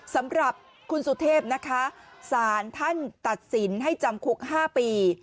สำหรับคุณสุเทพนะคะสารท่านตัดสินให้จำคุก๕ปี